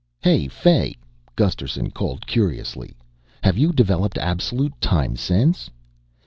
"Hey, Fay," Gusterson called curiously, "have you developed absolute time sense?"